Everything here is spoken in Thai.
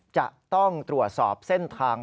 จะต้องตรวจสอบเส้นทาง